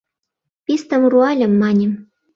«Пистым руальым» маньым, -